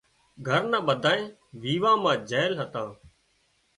گھرنان ٻڌانئين ويوان مان جھل هتان